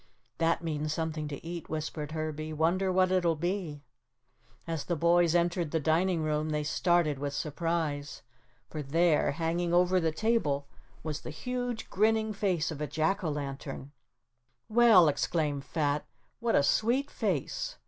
"That means something to eat," whispered Herbie. "Wonder what it'll be." As the boys entered the dining room they started with surprise, for there, hanging over the table, was the huge grinning face of a jack o lantern. "Well," exclaimed Fat, "what a sweet face!"